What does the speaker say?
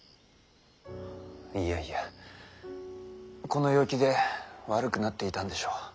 いやいやこの陽気で悪くなっていたんでしょう。